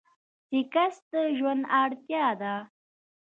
سيکس د ژوند اړتيا ده.